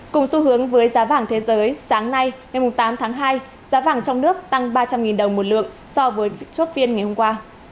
cùng xu hướng với giá vàng thế giới sáng nay ngày tám tháng hai giá vàng trong nước tăng ba trăm linh đồng một lượng so với chốt phiên ngày hôm qua